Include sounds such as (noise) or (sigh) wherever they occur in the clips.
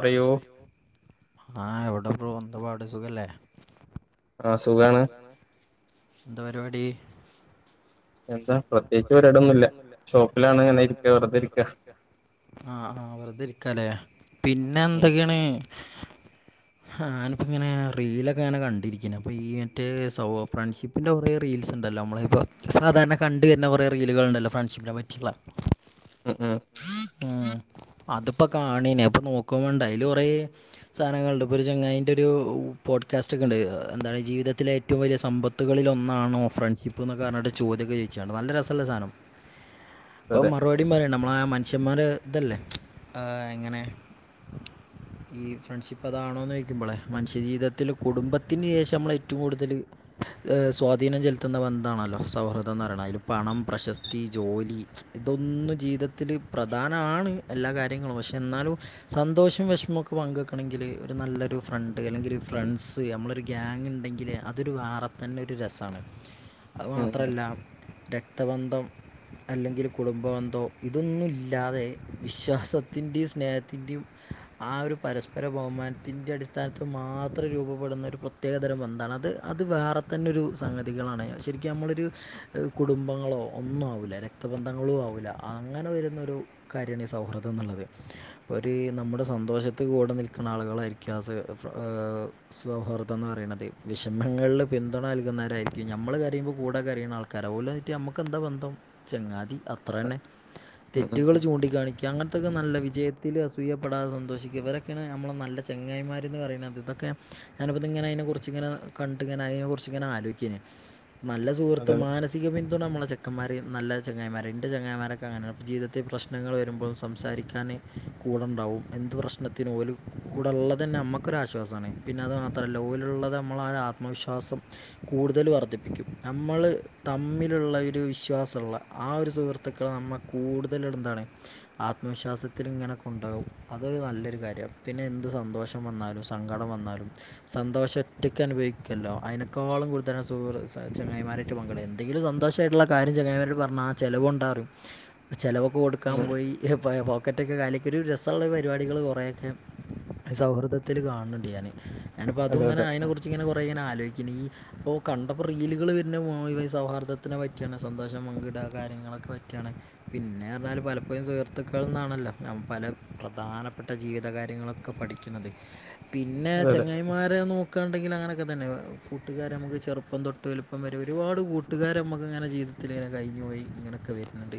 ആഹ പറയോ ആഹ് എവിടെപ്പ വന്തപാട് സുഖല്ലേ ആ സുഖാണ് എന്താ പരിപാടി എന്താ പ്രത്യേകിച്ച് പ്രത്യേകിച്ച് ഒ ഇടംന്നുമില്ല ഷോപ്പിലാണ് ഇങ്ങനെ ഇരിക്ക വെറതെരിക്കുക ആഹ ആഹ് വെറുതെ ഇരിക്കല്ലേ പിന്നെ എന്തൊക്കെയാണ് ഞാനിപ്പോൾ ഇങ്ങനെ റീലൊക്കെ ഞാ കണ്ടിരിക്കേ അപ്പോൾ ഈ മറ്റ സ ഫ്രണ്ട്ഷിപ്പിൻ്റെ കുറെേ റീൽസ് ഉണ്ടല്ലോ നമ്മളപ്പോ സാധാരണ കണ്ട് തന്നെ കൊറെേ റീലുകള ഉണ്ടല്ലോ ഫ്രണ്ട്ഷിപ്പിനെ പറ്റിയുള്ള ഉം ഉം ആഹ അതിപ്പോ കാണീനെ അപ്പൊ നോക്കണ്ട അല് കൊറെേ സാധനങ്ങളുണ്ട് ഇപ്പൊ ഒരു ചങ്ങായിന്റെ ഒരു പോഡ്കാസ്റ്റ് ഒക്കെ ഉണ്ട് എന്താണ് ജീവിതത്തിലെ ഏറ്റവും വലിയ സമ്പത്തുകളിൽ ഒന്നാണോ ഫ്രണ്ട്ഷിപ്പ് എന്നന്ന് ചോദ്യം നല്ല രസമുള്ള സാധനം അപ്പോ മറുപടി പറയണം നമ്മളാ മനുഷ്യന്മാർ ഇതല്ലേ എങ്ങനെ ഈ ഫ്രണ്ട്ഷിപ്പ് അതാണോന്ന് ചോദിക്കുമ്പോളെ മനുഷ്യ ജീവിതത്തിൽ കുടുംബത്തിന് ശേഷം നമ്മൾ ഏറ്റവും കൂടുതൽ സ്വാധീനം ചെലുത്തുന്ന ഒന്നാണല്ലോ സൗഹൃദം എന്ന് പറയണ അതില് പണം പ്രശസ്തി ജോലി ഇതൊന്ന് ജീവിതത്തില് പ്രധാനമാണ് എല്ലാ കാര്യങ്ങളും പക്ഷെ എന്നാലും സന്തോഷം വിഷമമൊക്കെ പങ്കു വെക്കണമെങ്കിൽ ഒരു നല്ലൊരു ഒരു ഫ്രണ്ട് അല്ലെങ്കിൽ ഒരു ഫ്രണ്ട്സ് നമ്മളൊരു ഗാങ് ഉണ്ടെങ്കിൽ അതൊരു വെറെ തന്നെ ഒരു രസമാണ് അതു മാത്രമല്ല രക്തബന്ധം അല്ലെങ്കിൽ കുടുംബബന്ധോ ഇതൊന്നും ഇല്ലാതെ വിശ്വാസത്തിന്റെയും സ്നേഹത്തിന്റെറെയും ആ ഒരു പരസ്പര ബഹുമാനത്തിന്റെ അടിസ്ഥ സംസ്ഥാനത്ത് മാത്രം രൂപപ്പെടുന്ന ഒരു പ്രത്യേകതരം ബന്ധമാണ് അത് അത് വേറെ തന്നെ ഒരു സംഗതികളാണ് ശരിക്കും നമ്മളൊരു കുടുംബങ്ങളോ ഒന്നും ആവില്ല രക്തബന്ധങ്ങളും ആവില്ല അങ്ങനെ വരുന്നൊരു കാര്യമാണ് ഈ സൗഹൃദം എന്നുള്ളത് ഇപ്പോൾ ഒരു നമ്മുടെ സന്തോഷത്തി കൂടെ നിൽക്കുന്ന ആളുകളായിരിക്കാം സൗഹൃർദം എന്ന് പറയണുന്നത് വിഷമങ്ങളിൽ പിന്തുണ നൽകുന്നവരായിരിക്കും നമ്മൾ കാര്യം ഇപ്പോൾ കൂടെ കരയുന്ന ആൾക്കാരെ പോലെ വിട്ട് നമുക്ക് എന്താ ബന്ധം ചങ്ങാതി അത്ര തന്നെ തെറ്റുകൾ ചൂണ്ടിക്കാണിക്കുക അങ്ങനത്തൊക്കെ നല്ല വിജയ ൽ അസൂയപ്പെടാതെ സന്തോഷിക്കുക ഇവരൊക്കെയാണ് നമ്മള് നല്ല ചങ്ങായിമാരെന്ന് പറയുന്നത് ഇതൊക്കെെ കുറിച്ച് ഇങ്ങനെ കണ്ടു ഇങ്ങനെ അതിനെ കുറിച്ച് ഇങ്ങനെ ആലോചിക്കുക നല്ല സുഹൃത്ത് മാനസിക പിന്തുണ നമ്മള ചെക്കന്മാർ നല്ല ചങ്ങായമാർ എന്റെ ചങ്ങായിമാരൊക്കെ അങ്ങനെ ജീവിത പ്രശ്നങ്ങൾ വരുമ്പോൾ സംസാരിക്കാൻ കൂടെണ്ടാവും എന്ത് പ്രശ്നത്തിനും ഒരു കൂടെള്ളത് പിന്നെ നമുക്കൊരുരാശ്വാസമാണ് പിന്നെ അത് മാത്രമല്ല ലോലുള്ളത് നമ്മൾ ആ ആത്മവിശ്വാസം കൂടുതൽ വർദ്ധിപ്പിക്കും നമ്മൾ തമ്മിലുള്ള ഒരു വിശ്വാസമുള്ള ആ ഒരു സുഹൃത്തുക്കളെ നമ്മൾ കൂടുത ന്താണ് ആത്മവിശ്വാസത്തി ഇങ്ങനെയൊക്കെ ഉണ്ടാകും അതൊരു നല്ലൊരു കാര്യമാണ് പിന്നെ എന്തൊരു സന്തോഷം വന്നാലും സങ്കടം വന്നാലും സന്തോഷം ഒറ്റക്ക് അനുഭവിക്കല്ലോ അതിനെക്കാളും ഗുരുതര സ ചങ്ങായിമാരമായിട്ട് മംഗളം എന്തെങ്കിലും സന്തോഷമായിട്ടുള്ള കാര്യം ചങ്ങായിമാരട്ട് പറഞ്ഞാ ആ ചിലവ് ഉണ്ടാറും ചിലവൊക്ക കൊടുക്കാൻ പോയി ഒറ്റക്കെ കാലിക്കൊരു രസമുള്ള പരിപാടികൾ കുറെേയൊക്കെ സൗഹൃദത്തിൽ കാണുന്നുണ്ട് ഞാന് ഞാനപ്പപ്പോ അതും ഇങ്ങനെ അതിനെ കുറിച്ച് ആലോചിക്കണ് അപ്പൊ കണ്ടപ്പോ റീലുകൾ പിന്നെ സൗഹാർദത്തിനെ പറ്റിയാണ് സന്തോഷം പങ്കിടുക കാര്യങ്ങളൊക്കെ പറ്റിയാണ് ണ് പിന്നെ പറഞ്ഞാൽ പലപ്പോഴും സുഹൃത്തുക്കൾന്നാണല്ലോഞാൻ പല പ്രധാനപ്പെട്ട ജീവിത കാര്യങ്ങളൊക്കെ പഠി പഠിക്കുന്നത് പിന്നെ ചെങ്ങായിമാരെ നോക്ക ഉണ്ടെങ്കിൽ അങ്ങനൊക്കെ തന്നെ കൂട്ടുകാരെ നമുക്ക് ചെറുപ്പം തൊട്ട് ഒരു പാട് കൂട്ടുകാരെ നമുക്ക് ഇങ്ങനെ ജീവിതത്തിൽ ഇങ്ങനെ കഴിഞ്ഞു പോയി ഇങ്ങനൊക്കെ വരുന്നുണ്ട്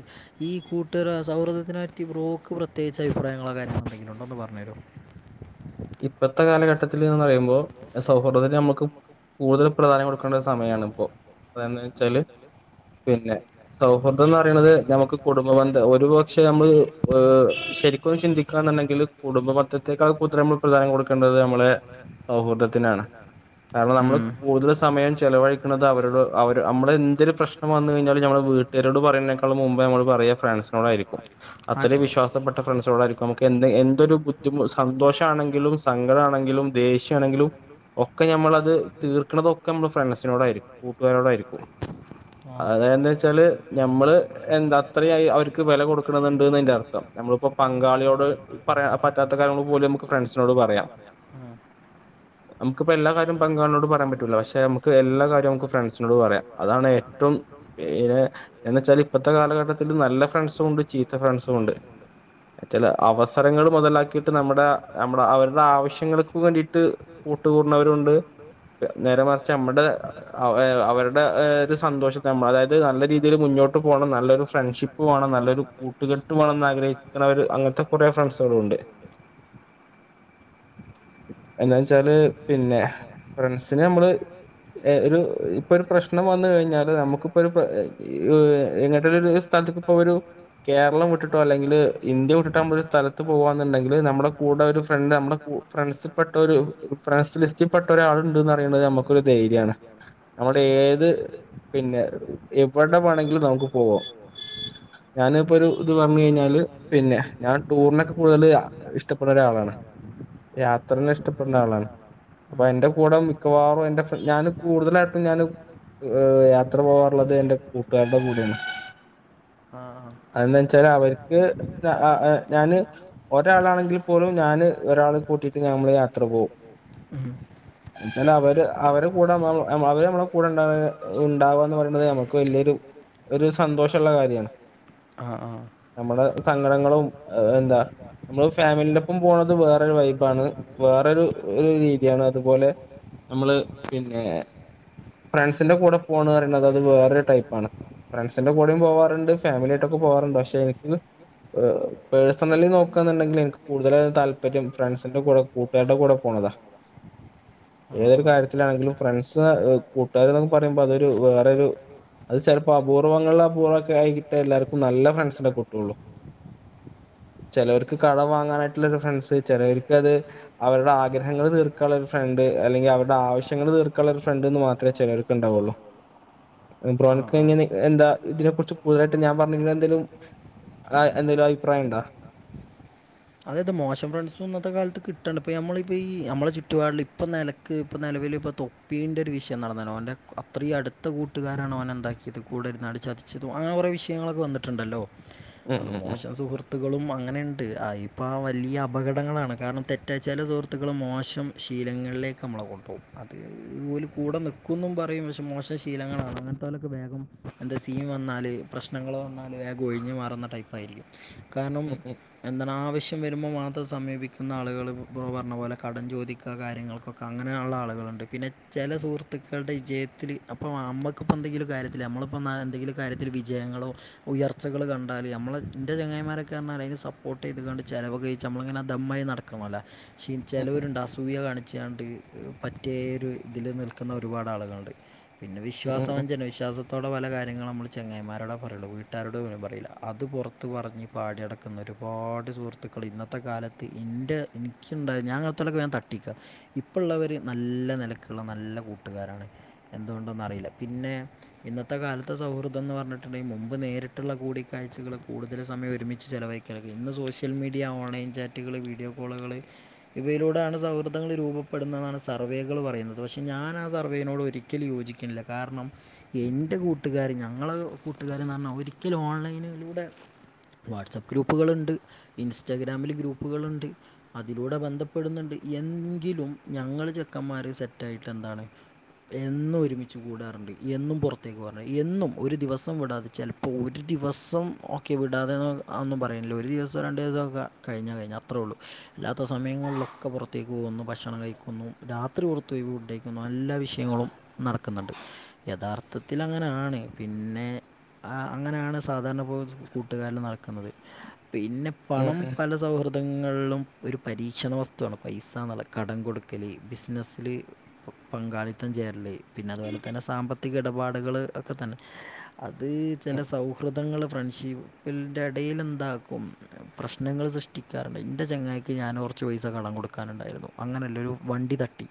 ഈ കൂട്ടുക സൗഹൃദത്തിനെറ്റി ബ്രോക്ക് പ്രത്യേകിച്ച അഭിപ്രായങ്ങളോ കാര്യങ്ങളൾ ഉണ്ടെങ്കിലുണ്ടോ എന്ന് പറഞ്ഞു തരോ (inaudible) ഇപ്പഴത്തെ കാലഘട്ടത്തിൽ എന്ന് പറയുമ്പോ സൗഹൃദത്തിന് നമ്മുക്ക് കൂടുതൽ പ്രധാന്യം കൊടുക്കേണ്ട സമയം ഇ അത വെച്ചാല് പിന്നെ സൗഹൃദം എന്ന് പറയുന്നത് നമുക്ക് കുടുംബബന്ധം ഒരുപക്ഷെ നമ്മൾ് ശരിക്കും ചിന്തിക്കാ എന്നുണ്ടെങ്കിൽ കുടുംബബന്ധത്തെക്കാൾ കൂടുതൽ നമ്മൾ പ്രധാനം കൊടുക്കേണ്ടത് നമ്മളുടെ സൗഹർദത്തിനാണ് കാരണം നമ്മള് കൂടുതൽ സമയം ചിലവഴിക്കുന്നത് അവരോട് അവ നമ്മള് എന്തൊരു പ്രശ്നം വന്നു കഴിഞ്ഞാലും നമ്മള് വീട്ടുകാരോട് പറയേക്കാളും മുമ്പേ നമ്മൾ പറയുന്നത് നമ്മളുടെ ഫ്രാസിനോട് ആയിരിക്കും. അത്രയും വിശ്വാസപ്പെട്ട ഫ്രണ്ട്സിനോട് ആയിരിക്കും നമുക്ക് എന്തൊരു സന്തോഷം ആഘോഷ ആണെങ്കിലും സങ്കടം ആണെങ്കിലും ദേഷ്യമാണെങ്കിലും ഒക്കെ നമ്മളത് തീർക്കണതൊക്കെ നമ്മൾ ഫ്രണ്ട്സിനോടായിരിക്കും കൂട്ടുകാരോടായിരിക്കും എന്ന് വച്ചാൽ നമ്മള് അത്രയായി അവർക്ക് വില കൊടുക്കണണ്ട്ന്ന് എന്റെ അർത്ഥം നമ്മളിപ്പോ പങ്കാളിയോട് പറയാൻ പറ്റാത്ത കാര്യങ്ങൾ പോലും നമു ഫ്രണ്ട്സിനോട് പറയാം നമുക്കിപ്പൾ എല്ലാാര്യ പങ്കളിനോട് പറയാൻ പറ്റില്ല പക്ഷെ നമുക്ക് എല്ലാ കാര്യവും നമു ഫ്രണ്ട്സിനോട് പറയാം അതാണ് (unintelligible) ഇപ്പോഴത്തെ കാലഘട്ടത്തിൽ നല്ല ഫ്രണ്ട്സും ഉണ്ട് ചീത്ത ഫ്രണ്ട്സും ഉണ്ട് അവസരങ്ങൾ മുതലാക്കിയിട്ട് നമ്മുടെ നമ്മുടെ അവരുടെ ആവശ്യങ്ങൾക്ക് വേണ്ടിട്ട് കൂട്ടുകുടുന്നവരുമുണ്ട് നേരെ മറിച്ച് നമ്മുടെ അവരുടെ ഒരു സന്തോഷം നമ്മൾ അതായത് നല്ല രീതിയിൽ മുന്നോട്ട് പോണം നല്ലൊരു ഫ്രണ്ട്ഷിപ്പ് വേണം നല്ലൊരു കൂട്ടുകെട്ട് വേണന്ന് ആഗ്രഹിക്കണവര് അങ്ങനത്തെ കുറെ ഫ്രണ്ട്സുകളും ഉണ്ട് (inaudible) (inaudible) (inaudible) എന്താ വച്ചാല് പിന്നെ ഫ്രണ്ട്സിന് നമ്മള് ഒരു ഇപ്പൊ ഒരു പ്രശ്നം വന്ന് (unintelligible) രു സ്ഥലത്ത ഇപ്പോ ഒരു കേരളം വിട്ടിട്ടോ അല്ലെങ്കിൽ ഇന്ത്യ വിട്ടിട്ടാ ഒരു സ്ഥലത്ത് പോകന്നുണ്ടെങ്കില് നമ്മുടെ കൂ ഫ്രണ്ട് നമ്മുടെ ഫ്രണ്ട്സിപ്പെട്ട ഒരു ഫ്രണ്ട്സ് ലിസ്റ്റിൽപ്പെട്ട ഒരാളുണ്ട്ന്ന് അറിയുന്നത് നമുക്കൊരു ധൈര്യംമാ നമ്മുടെ ഏത് പിന്നെ എവിടെ വേണമെങ്കിലും പോകാം ഞാനിപ്പോ ഒരു ഇത് പറഞ്ഞ് കഴിഞ്ഞാല് പിന്നെ ഞാൻ ടൂറിനൊക്കെ കൂടുതൽ ഇഷ്ടപ്പെടുന്ന ഒരാളാണ് യാത്രനെ ഇഷ്ടപ്പെടുന്ന ആളാണ് അപ്പൊ എന്റെ കൂടെ മിക്കവാറും എന്റെ ഫ്ര ഞാൻ കൂടുതലായിട്ടും ഞാന് യാത്ര പോകാറുള്ള അത് എന്റെ കൂട്ടുകാരുടെ (inaudible) ആ കൂടെയാണ് ആ എന്ന് വെച്ചാല് അവർക്ക് ഞാന് ഒരാള് (inaudible) (inaudible) സന്തോഷമുള്ള കാര്യം ആ സങ്കടങ്ങളും ഇല്ല നമ്മള് ഫാമിലിയിന്റെ ഒപ്പം പോണത് വേറൊരു വൈബാണ് വേറൊരു രീതിയാണ് അതുപോലെ നമ്മള് പിന്നെ ഫ്രണ്ട്സിന്റെ കൂടെ പോണ് പറയണത് അത് വേറൊരു ടൈപ്പാണ് ഫ്രണ്ട്സിന്റെ കൂടെയും പോവാറുണ്ട് ഫാമിലിയായിട്ടൊക്കെ പോവാറുണ്ട് പക്ഷെ എനിക്ക് പേഴ്സണലി നോക്കു ണ്ടെങ്കിൽ എനിക്ക്‌ കൂടുതല് താല്പര്യം ഫ്രണ്ട്സിന്റെ കൂടെ കൂട്ടുകാരുടെ കൂടെ പോണതാ ഏതൊരു കാര്യത്തിലാണെങ്കിലും ഫ്രണ്ട്സ് കൂട്ടുകാര് എന്നൊക്കെ പറയുമ്പോ അതൊരു വേറെ ഒരു അത് ചിലപ്പോ അപൂർവ്വങ്ങളിൽ അപൂർവ്വംക്കെയിട്ടെ എല്ലാർക്കും നല്ല ഫ്രണ്ട്സിനെ കിട്ടുള്ളു ചിലവർക്ക് കടവാ ങ്ങനായിട്ട്ള്ള ഫ്രണ്ട്സ് ചിലർക്ക്ത് അവരുടെ ആഗ്രഹങ്ങൾ തീർക്കാനുള്ള ഒരു ഫ്രണ്ട് അല്ലെങ്കിൽ അവരുടെ ആവ ശ്യക്ഷങ്ങൾ തീർക്കുള്ള ഫ്രണ്ട്ന്ന് മാത്രമേ ചിലർക്ക് ഉണ്ടാവുള്ള് എന്താ ഇതിനെ കുറിച്ച് കൂടുതലായിട്ട് ഞാൻ പറഞ്ഞ എന്തെങ്കലും ആ എന്തെങ്കലും അഭിപ്രായം ഉണ്ടോ (unintelligible) അതെ അത് മോശം ഫ്രണ്ട്സും ഇന്നത്തെ കാലത്ത് കിട്ടണ്ട് ഇപ്പ നമ്മളിപ്പോ ഈ നമ്മളുടെ ചുറ്റ്‌പാടില്ല് ഇപ്പ നിലക്ക് ഇപ്പ നിലവില് ഇപ്പൊ തൊപ്പിന്റെ ഒരു വിഷയം നടന്നനോ ഓന്റെ അത്രയും അടുത്ത കൂട്ടുകാരാണോ ഓനെ എന്താക്കി ഇത് കൂടെര്ന്ന് അട് ചതിച്ചതും ആ കുറെ വിഷയങ്ങളൊക്കെ വന്നിട്ടുണ്ടല്ലോ അത് മോശം സുഹൃത്തുക്കളും അങ്ങനെണ്ട് ഇപ്പൊ ആ വലിയ അപകടങ്ങളാണ് കാരണം തെറ്റ ചില സുഹൃത്തുക്കൾ മോശം ശീലങ്ങളിലേക്ക് നമ്മളെ കൊണ്ടുപോകും അത് ഇതുപോലെ കൂടെ നിക്കുന്നും പറയും പക്ഷെ മോശം ശീലങ്ങളാണ് അങ്ങനത്തെലേ വേഗം എന്താ സീൻ വന്നാല് പ്രശ്നങ്ങൾ വന്നാല് വേഗം ഒഴിഞ്ഞ് മാറുന്ന ടൈപ്പ്‌ ആയിരിക്കും കാരണം എന്താണ് ആവശ്യ വശ്യം വരുമ്പോൾ മാത്രം സമീപിക്കുന്ന ആളുകൾ ബ്രോ പറഞ്ഞപോലെ കടം ചോദിക്ക കാര്യങ്ങൾക്കൊക്കെ അങ്ങനെയളോ ആളുകൾ ണ്ട് പിന്നെ ചില സുഹൃത്തുക്കളുടെ വിജയത്തിൽ അപ്പ അമ്മക്ക് ഇപ്പൊ എന്തെങ്കിലും കാര്യത്തിൽ നമ്മള്പ്പോ എന്തെങ്കിലും കാര്യത്തില്‌ വിജയങ്ങളോ ഉയർച്ചകൾ കണ്ടാൽ നമമ്ള്ള് എന്റെ ചങ്ങായിമാരൊക്കെ സപ്പോർട്ട് ചെയ്ത്ണ്ട് ചിലവ് കഴിച്ച് നമ്മള്ങ്ങനെ ധംമായി നടക്കുല്ലോ ചിലവരുണ്ട് അസുയ കാണിച്ചാണ്ട് പറ്റിയരു ഇതിൽ നിൽക്കുന്ന ഒരുപാട് ആളുകളുണ്ട് പിന്നെ വിശ്വാസവഞ്ചന വിശ്വാ വിശ്വാസത്തോടെ പല കാര്യങ്ങളും നമ്മൾ ചങ്ങായ്‌മാരോടെ പറയുള്ളൂ വീട്ടുകാരോട് പോലും പറയില്ല അത് പുറത്ത് പറഞ് പാടി നടക്കാ ഒരുപാട് സുഹൃത്തുക്കൾ ഇന്നത്തെ കാലത്ത് ഇൻ്റെ എനിക്കുണ്ടായ ഞാൻ അങ്ങാൻതോലെക്കെ ഞാൻ തട്ടിക്കാ ഇപ്പള്ളവര് നല്ല നിലക്കുള്ള നല്ല കൂട്ടുകാരാണ് എന്തുകൊണ്ടാന്നറിയില്ല പിന്നെ ഇന്നത്തെ കാലത്തെ സൗഹൃദം എന്ന് പറഞ്ഞിട്ടുണ്ടെങ്കിൽ മുമ്പ് നേരിട്ടുള്ള കൂടിക്കാഴ്ചകൾ കൂടുതൽ സമയം ഒരുമിച്ച് ചെ ചെലവയിക്കാലൊക്കെ ഇന്ന് സോഷ്യൽ മീഡിയ ഓൺലൈൻ ചാറ്റുകൾ വീഡിയോ കോളുകൾ ഇവയിലൂടാണ് സൗഹൃദങ്ങള് രൂപപ്പെടുന്നതാണ് സർവേകള് പറയുന്നത് പക്ഷെ ഞാൻ ആ സർവേയിനോട് ഒരിക്കലും യോജിക്കുന്നില്ല കാരണം എൻ്റെ കൂട്ടുകാർ ഞങ്ങളെ കൂട്ടുകാരന്ന് പറഞ്ഞാൽ ഒരിക്കലും ഓൺലൈനിലൂടെ വാട്സആപ്പ് ഗ്രൂപ്പുകള്ണ്ട് ഇൻസ്റ്റഗ്രാമിൽ ഗ്രൂപ്പുകള്ണ്ട് അതിലൂടെ ബന്ധപ്പെടുന്ന്ണ്ട് എങ്കിലും ഞങ്ങൾ ചെക്കന്മാർ സെറ്റായിട്ട് എന്താണ് എന്നും ഒരുമിച്ച് കൂടാറ്ണ്ട് എന്നും പുറത്തേക്ക് പറഞ്ഞാ എന്നും ഒരു ദിവസം വിടാതെ ചിലപ്പോൾ ഒരു ദിവസം ഒക്കെ വിടാതെ പറയുന്നില്ല ഒരു ദിവസോ രണ്ട് ദിവസോ ഓക്കെ കഴിഞ്ഞൽ കഴിഞ്ഞ് അത്രേ ഉള്ളൂ അല്ലാത്ത സമയങ്ങളിലൊക്കെ പുറത്തേക്ക് പോകുന്നു ഭക്ഷണം കഴിക്കുന്നു രാത്രി പുറത്തു പോയി ഫുഡഴിക്കുന്നു എല്ലാ വിഷയങ്ങളും നടക്കുന്നുണ്ട് യഥാർത്ഥത്തിൽ അങ്ങനെയാണ് പിന്നെ അങ്ങനെയാണ് സാധാരണപ്പോ കൂട്ടുകാരില് നടക്കുന്നത് പിന്നെ പണം പല സൗഹൃദ പലയിടങ്ങളിലും ഒരു പരീക്ഷണ വസ്തുവാണ് പൈസ എന്ന കടം കൊടുക്കല് ബിസിനസ്സിൽ പങ്കാളിത്തം ചേരല് പിന്നെ അതുപോലെ തന്നെ സാമ്പത്തിക ഇട പാടുകൾ ഒക്കെ തന്നെ അത് ചില സൗഹൃദ ങ്ങൾ ഫ്രണ്ട്ഷിപ്പന്റെ ഇടൽ എന്താക്കും പ്രശ്നങ്ങൾ സൃഷ്ടിക്കാറുണ്ട് ഇന്റെ ചങ്ങായ്‌ക്ക് ഞാൻ കുറച്ച് പൈസ കടം കൊടുക്കാനുണ്ടായിരുന്നു അങ്ങനെല്ല ഒരു വണ്ടി തട്ടി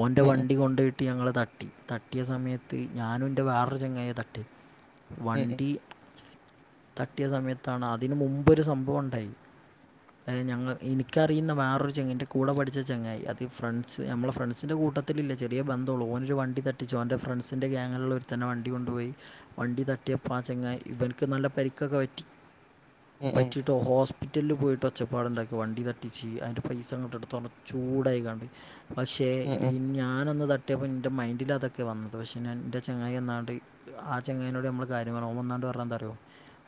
ഓൻ്റെ വണ്ടി കൊണ്ടോയ്ട്ട് ഞങ്ങ തട്ടി തട്ടിയ സമയത്ത് ഞാനും ഇന്റെ വേറൊരു ചങ്ങായാ തട്ടിയത് വണ്ടി തട്ടിയ സമയത്താണ് അതിന് മുമ്പൊരു സംഭവം ഉണ്ടായി അതായത് ഇനിക്കറിയുന്ന വേറൊരു ചെങ്ങായ് ‌ന്റെ കൂടെ പഠിച്ച ചെങ്ങായി അത് ഫ്രണ്ട്സ് ഞമ്മളെ ഫ്രണ്ട്സിന്റെ കൂടെ കൂട്ടത്തിലില്ല ചെറിയ ബന്ധള്ളു ഓനൊരു വണ്ടി തട്ടിച്ചു ഓന്റെ ഫ്രണ്ട്സ് എന്റെ ഗാങ്ങിലുള്ള ഒരുത്തന്റെ വണ്ടി കൊണ്ടുപോയി വണ്ടി തട്ടിയപ്പൊ ആ ചങ്ങായി ഇവർക്ക് നല്ല പരിക്കൊക്കെ പറ്റി പറ്റിയിട്ടോ ഹോസ്പിറ്റലിൽ പോയിട്ടോ ഒച്ചപ്പാടുണ്ടാക്കി വണ്ടി തട്ടിച്ച് അതിൻ്റെ പൈസ ഇങ്ങോട്ട് ഇടുത്തോ പറഞ്ഞ് ചൂടായിക്കാണ്ട് പക്ഷെ ഈ ഞാനൊന്ന് തട്ടിയപ്പോ ഇന്റെ മൈൻഡിൽ അതൊക്കെ വന്നു പക്ഷെ ഇന്റെ ചങ്ങായി വന്നാണ്ട് ആ ചങ്ങായ്‌നോട് നമ്മള് കാര്യം പറഞ്ഞ് ഓൻ വന്നാണ്ട് പറഞ്ഞന്താ അറിയോ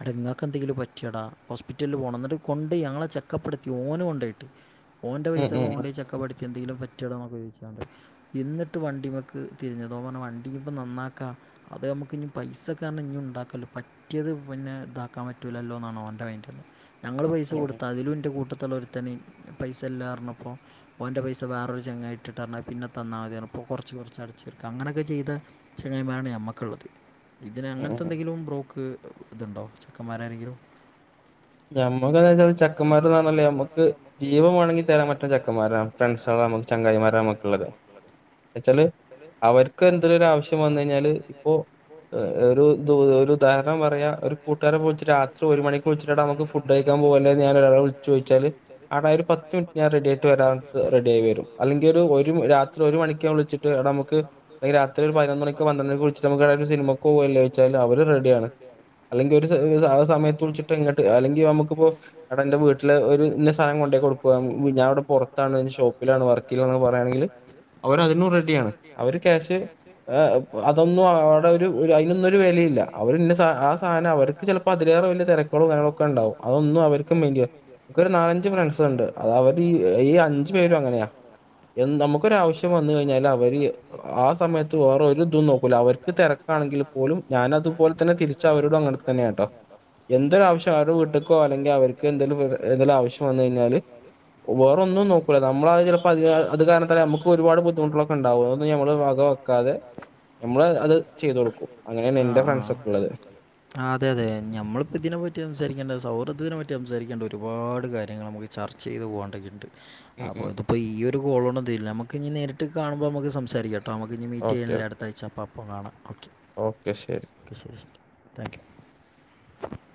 എട നിങ്ങൾക്ക് എന്തെങ്കിലും പറ്റിയടാ ഹോസ്പിറ്റലിൽ പോണം എന്നിട്ട് കൊണ്ടോയി ആളെ ചെക്കപ്പടത്തി ഓന് കൊണ്ടോയിട്ട് ഓന്റെ പൈസക്ക് ഓൻ കൊണ്ടോയി ചെക്കപ്പെട്ടുത് എന്തെങ്കിലും പറ്റിയടോന്നൊക്കെ ഇന്നട്ട് വണ്ടിമക്ക് തിരിഞ്ഞത് ഓൻ പറഞ്ഞ് വണ്ടി പ്പോ നന്നാക്കാ അത് നമുക്ക് ഇനി പൈസൊക്കെ പറഞ്ഞാ ഇനിം ഇണ്ടാക്കല്ലോ പറ്റിയത് പിന്നെ ഇതാക്കാൻ പറ്റൂ അല്ലല്ലോ എന്നാണ് ഓന്റെ മൈൻഡിൽ ഞങ്ങൾ പൈസ കൊടുത്ത അതിലും ന്റെ കൂട്ട കുട്ടാത്തിലുള്ളൊരുത്തനു പൈസ ഇല്ലാറിഞ്ഞപ്പോൾ ഓൻ്റെ പൈസ വേറൊരു ചങ്ങായി ഇട്ടിട്ടാണ് പിന്നെ തന്നാൽ മതി പറഞ്ഞു കുറച്ച് കുറച്ച് അടച്ചടുക്കാം അങ്ങനൊക്കെ ചെയ്ത് ചെങ്ങായിമാരാണ് നമ്മക്ക്ള്ളത് ഇതിന് അങ്ങനത്തെ എന്തെങ്കിലും ബ്രോക്ക് ഇതുണ്ടോ ചെക്കന്മാരാരെങ്കിലും നമ്മക്ക് ചെക്കമ്മാര്ന്ന് പറഞ്ഞാൽ നമ്മക്ക് ജീവൻ വേണമെങ്കിൽ തരാൻ പറ്റിയ ചക്കമ്മാരാണ് (unintelligible) ചങ്ങായിമാരാ നമ്മക്കുള്ളത് എന്താന്നുവെച്ചാൽ അവർക്ക് എന്തര് ആവശ്യം വന്ന് കഴിഞ്ഞാല് ഇപ്പോ ഒരു ഉദാഹരണം പറയാ ഒരു കൂട്ടുകാരൻ പോയിട്ട് രാത്രി ഒരു മണിക്കൂ വിളിച്ചിട്ട് ടാ നമുക്ക് ഫുഡ് കഴിക്കാൻ പോവല്ലേന്ന് ഞാൻ ഒരാളെ വിളിച്ച് ചോദിച്ചാൽ ആട ഒരു പത്ത് മിനിട്ട് ഞാൻ റെഡിയായിട്ട് വരാ റെഡി റെഡിയായി വരും അല്ലെങ്കിൽ ഒരു രാത്രി ഒരു മണിക്ക് ഞാൻ വിളിച്ചിട്ട് എടാ നമുക്ക് രാ രാത്രി ഒരു പതിനൊന്ന് മണിക്ക് പന്ത്രണ്ടണിക്കൊക്കെ വിളിച്ചിട്ട് നമ്മക്ക് രണ്ടാൾക്കും ഒരു സിനമക്ക് പോകല്ലേയ്ച്ചാൽ അവര് റെഡിയാണ് അല്ലെങ്കിൽ ഓരു സമയത്തും വിളിച്ച് ഇങ്ങോട്ട് അല്ലെങ്കിൽ നമുക്കിപ്പോ എടെന്റെ വീട്ടിലുയൊരു ഇന്നാ സാധാനം കൊണ്ടോയികൊടുക്കൊ ഞാനുയിവിടെ പുറത്താണ് ഷോപ്പിലാണ് വർക്ക് ചെയണത് പറയാണെങ്കിൽ അവരതിനും റെഡിയാണ് അവർ ക്യാഷ് അതൊന്നും അവിടെ ഒരു അതിനൊന്നും ഒരു വിലയില്ല അവരന്നെ ആ സാധനം അവർക്ക് ചിലപ്പോ അതി വേറെ തെരക്ക് നളൊക്കെ ഉണ്ടാവും അതും അവർക്ക് നിക്കൊരു നാലഞ്ച് ഫ്രണ്ട്സ് ഉണ്ട് അവര് ഈ അഞ്ച് ശെരി എന്ത്‌ നമുക്കൊരാവശ്യം വന്ന് കഴിഞ്ഞാൽ അവര് ആ സമയത്ത് വേറെ ഒരു ഇതും നോക്കൂല അവർക്ക് തിരക്കാണെങ്കിൽ പോലും ഞാൻ അതുപോലെ തന്നെ തിരിച്ച് അവരോടും അങ്ങനെ തന്നെയാട്ടോ എന്തൊരു ആവശ്യം ആവരെ വീട്ടക്കോ അല്ലെങ്കിൽ അവര്ക്ക് എന്തേലും എതേലും ആവശ്യം വന്ന് കഴിഞ്ഞാൽ വേറൊന്നും നോക്കുല നമ്മൾ ചിലപ്പോ ആ അത് കാരണത്താല് നമുക്ക് ഒരുപാട് ബുദ്ധിമുട്ട്കളൊക്കേ ഉണ്ടാകും അത് നമ്മൾ വക വെക്കറില്ല വെക്കാതെ നമ്മള് അത് ചെയ്ത് കൊടുക്കും അങ്ങനെയാണ് എന്റെ ഫ്രണ്ട്സ് ഒക്കെ ഉള്ളത് ആ അതെ അതെ ഞമ്മളിപ്പോ ഇതിനെ പറ്റി പറ്റി സംസരിക്കേണ്ട സൗഹൃദതിനെപ്പറ്റി സംസാരിക്കേണ്ട ഒരുപാട് കാര്യങ്ങൾ നമുക്ക് ചർച്ച ചെയ്ത് പോകണ്ടൊക്കെയുണ്ട് അപ്പൊ ഇതിപ്പോ ഈയൊരു കോളോണ്ട് ഒന്നും തീരുല്ല നമ്മുക്ക് ഇനി നേരിട്ട് കാണുമ്പോ നമ്മുക്ക് സംസാരിക്കാട്ടോ ഇനി മീറ്റെയണില്ലേ അടുത്തായ്ച്ച അപ്പം അപ്പം കാണാം ഓക്കെ ഓക്കെ ശരി താങ്ക്യു